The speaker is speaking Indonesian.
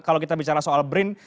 kalau kita bicara soal brin